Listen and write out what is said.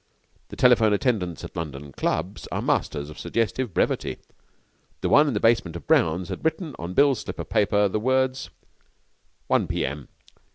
The telephone attendants at London clubs are masters of suggestive brevity. The one in the basement of Brown's had written on Bill's slip of paper the words: '1 p.m.